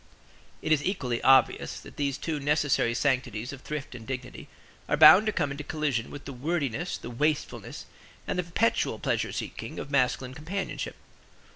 It is equally obvious that these two necessary sanctities of thrift and dignity are bound to come into collision with the wordiness, the wastefulness, and the perpetual pleasure seeking of masculine companionship.